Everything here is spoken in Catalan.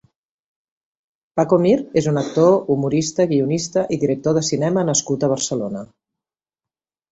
Paco Mir és un actor, humorista, guionista i director de cinema nascut a Barcelona.